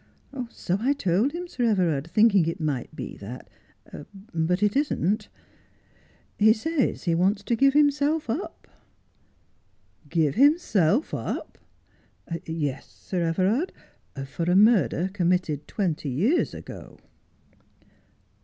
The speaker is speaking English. ' So I told him, Sir Everard, thinking it might be that, but it isn't. He says he wants to give himself up.' ' Give himself up 1 '' Yes, Sir Everard, for a murder committed twenty years ago.